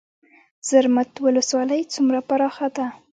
زرمت ولسوالۍ څومره پراخه ده؟